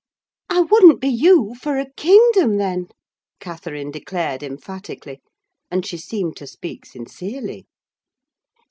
"I wouldn't be you for a kingdom, then!" Catherine declared, emphatically: and she seemed to speak sincerely.